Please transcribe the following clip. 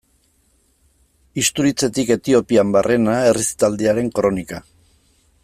Isturitzetik Etiopian barrena errezitaldiaren kronika.